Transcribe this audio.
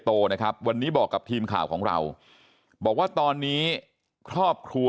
โตนะครับวันนี้บอกกับทีมข่าวของเราบอกว่าตอนนี้ครอบครัว